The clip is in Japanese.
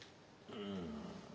うん。